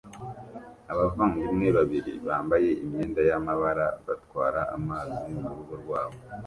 Abavandimwe babiri bambaye imyenda y'amabara batwara amazi murugo rwabo